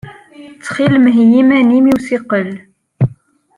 Ttxil-m heyyi iman-im i usikel.